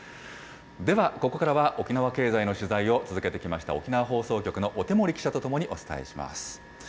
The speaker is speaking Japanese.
では、ここからは沖縄経済の取材を続けてきました沖縄放送局の小手森記者とともにお伝えします。